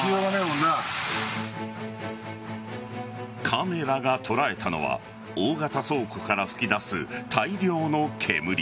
カメラが捉えたのは大型倉庫から噴き出す大量の煙。